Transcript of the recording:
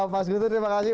mas guto terima kasih